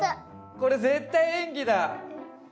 これ絶対演技だ。